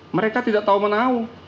mereka tidak tahu menahu